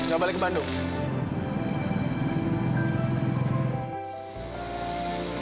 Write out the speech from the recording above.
gak balik ke bandung